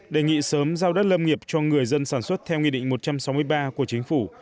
đề nghị sớm giao đất lâm nghiệp cho người dân sản xuất theo nghị định một trăm sáu mươi ba của chính phủ